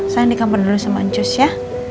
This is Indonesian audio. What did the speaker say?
sayang di kamar dulu sama ancus ya